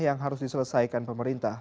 yang harus diselesaikan pemerintah